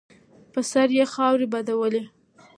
په سر یې خاورې بادولې.